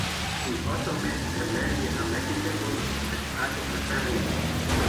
He also met and married a Mexican woman and started a family.